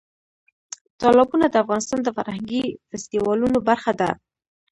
تالابونه د افغانستان د فرهنګي فستیوالونو برخه ده.